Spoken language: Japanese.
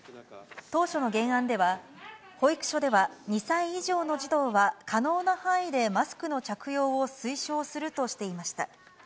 当初の原案では、保育所では２歳以上の児童は可能な範囲でマスクの着用を推奨するとしていました。